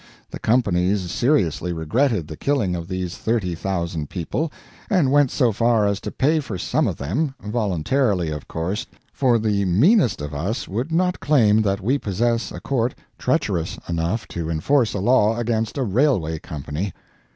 The companies seriously regretted the killing of these thirty thousand people, and went so far as to pay for some of them voluntarily, of course, for the meanest of us would not claim that we possess a court treacherous enough to enforce a law against a railway company.